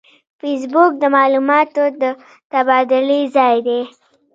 فېسبوک د معلوماتو د تبادلې ځای دی